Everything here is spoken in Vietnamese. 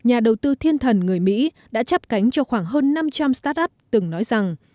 nhà đầu tư thiên thần người mỹ đã chấp cánh cho khoảng hơn năm trăm linh start up từng nói rằng